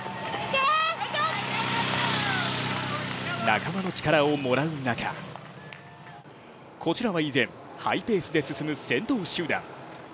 仲間の力をもらう中、こちらは依然、ハイペースで進む先頭集団。